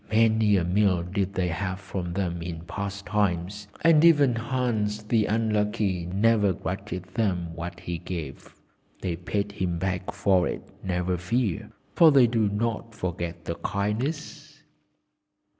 Many a meal did they have from them in past times, and even Hans the Unlucky never grudged them what he gave. They paid him back for it, never fear, for they do not forget a kindness."